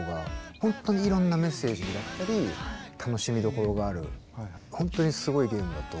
ほんとにいろんなメッセージだったり楽しみどころがあるほんとにすごいゲームだと思いますね。